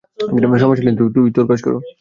সমস্যা নেই, তুই তোর কাজ কর।